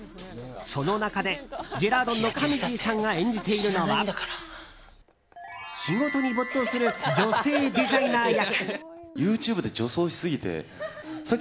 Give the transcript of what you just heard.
その中でジェラードンのかみちぃさんが演じているのは仕事に没頭する女性デザイナー役。